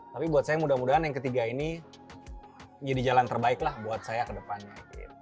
tapi buat saya mudah mudahan yang ketiga ini jadi jalan terbaik lah buat saya ke depannya